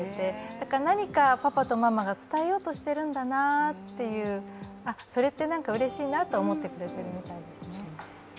だから何か、パパとママが伝えようとしてるんだなってそれって何かうれしいなって思ってくれてるみたいですね。